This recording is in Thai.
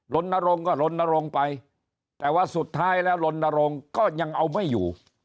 ลนรงค์ก็ลนรงค์ไปแต่ว่าสุดท้ายแล้วลนรงค์ก็ยังเอาไม่อยู่